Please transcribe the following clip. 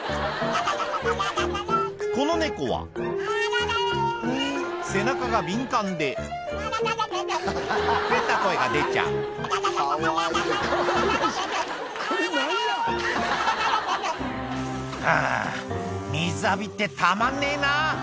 この猫は背中が敏感で変な声が出ちゃう「はぁ水浴びってたまんねえな」